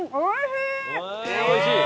おいしい？